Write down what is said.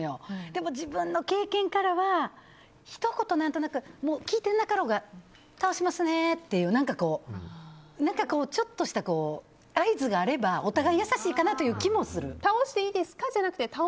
でも自分の経験からはひと言、何となく聞いてなかろうが倒しますねっていうちょっとした合図があればお互い優しいのかなという気もする。